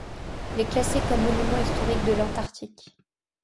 Elle est classée comme monument historique de l'Antarctique.